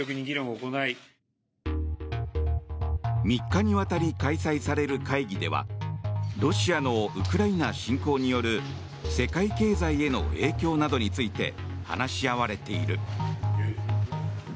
３日わたり開催される会議ではロシアのウクライナ侵攻による世界経済への影響などについて話し合われている。